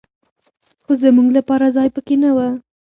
خو زمونږ لپاره ځای په کې نه و.